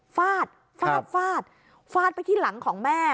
ฟาดฟาดฟาดฟาดไปที่หลังของแม่